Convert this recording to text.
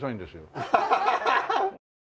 アハハハ！